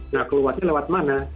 nah keluarnya lewat mana